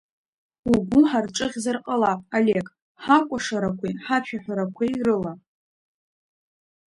Угәы ҳарҿыӷьзар ҟалап, Олег, ҳакәашарақәеи, ҳашәаҳәарақәеи рыла?